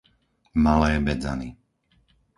Malé Bedzany